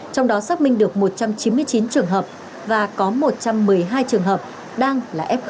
trong đó xác minh được một trăm chín mươi chín trường hợp và có một trăm một mươi hai trường hợp đang là f hai